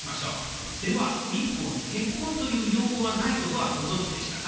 では民法に「結婚」という用語はないことはご存じでしたか？